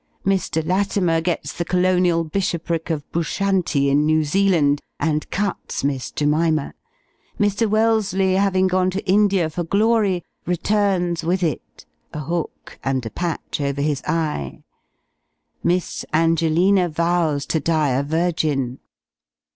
Mr. Latimer gets the Colonial Bishopric of Bushantee, in New Zealand, and cuts Miss Jemima. Mr. Wellesley having gone to India for glory, returns with it, a hook, and a patch over his eye. Miss Angelina vows to die a virgin.